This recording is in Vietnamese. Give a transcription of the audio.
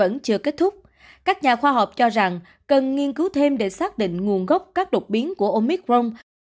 vẫn chưa kết thúc các nhà khoa học cho rằng cần nghiên cứu thêm để xác định nguồn gốc các đột biến của omicron